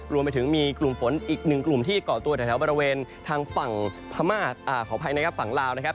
รวมไปถึงมีกลุ่มฝนอีกหนึ่งกลุ่มที่เกาะตัวแถวบริเวณทางฝั่งพม่าขออภัยนะครับฝั่งลาวนะครับ